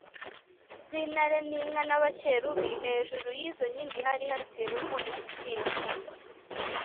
by’intare n’inka n’abakerubi, hejuru y’izo nkingi hari hateweho imikindo